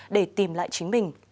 để tìm lại chính mình